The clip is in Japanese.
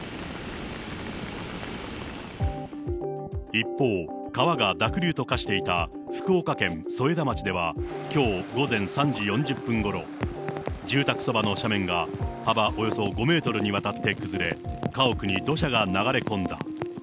一方、川が濁流と化していた福岡県添田町ではきょう午前３時４０分ごろ、住宅そばの斜面が幅およそ５メートルにわたって崩れ、家屋に土砂が流れ込んだ。